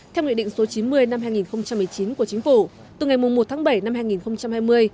theo nghị định số chín mươi năm hai nghìn một mươi chín của chính phủ từ ngày một tháng bảy năm hai nghìn hai mươi